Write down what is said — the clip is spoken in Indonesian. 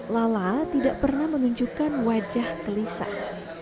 lala tidak pernah menunjukkan wajah gelisah